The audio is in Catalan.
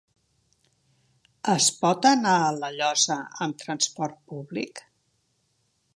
Es pot anar a La Llosa amb transport públic?